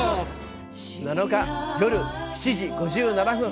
７日、夜７時５７分。